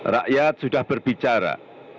rakyat sudah berbicara